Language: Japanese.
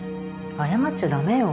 謝っちゃ駄目よ。